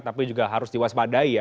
tapi juga harus diwaspadai ya